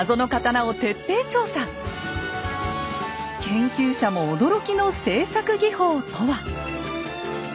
研究者も驚きの製作技法とは。